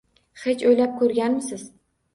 Hech o’ylab ko’rganmisiz?